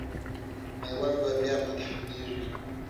میوند به بیا فتح کېږي.